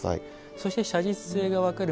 そして、写実性が分かる